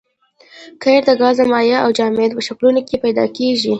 قیر د ګاز مایع او جامد په شکلونو پیدا کیږي